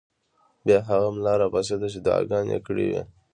بیا هغه ملا راپاڅېد چې دعاګانې یې کړې وې.